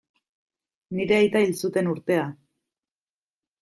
Nire aita hil zuten urtea.